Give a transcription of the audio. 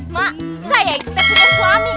mak saya yang setia punya suami